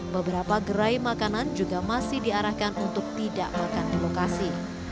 beberapa gerai makanan juga masih diarahkan untuk tidak makan di lokasi